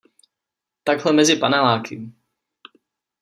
Takhle mezi paneláky